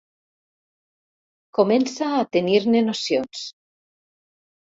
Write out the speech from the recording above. Comença a tenir-ne nocions.